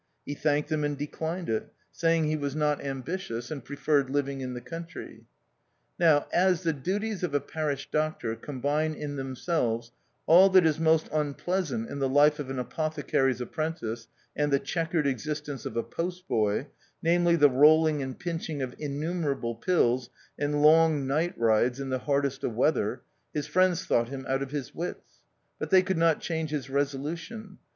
He thanked them and declined it, saying he was not ambi THE OUTCAST. 59 tious, and preferred living in the country. Now as the duties of a parish doctor com bine in themselves all that is most unplea sant in the life of an apothecary's appren tice and the chequered existence of a post boy, namely the rolling and pinching of innumerable pills, and long night rides in the hardest of weather, his friends thought him out of his wits ; but they could not change his resolution.